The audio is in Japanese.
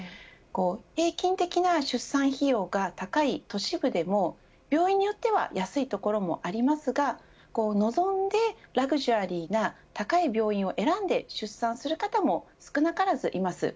平均的な出産費用が高い都市部でも病院によっては安いところもありますが望んでラグジュアリーな高い病院を選んで出産する方も少なからずいます。